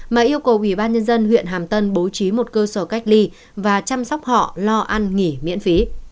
mà yêu cầu ubnd huyện hàm tân bố trí một cơ sở cách ly và chăm sóc họ lo ăn nghỉ miễn phí